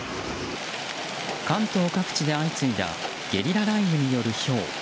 関東各地で相次いだゲリラ雷雨による、ひょう。